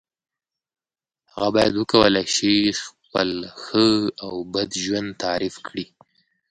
هغه باید وکولای شي خپله ښه او بد ژوند تعریف کړی.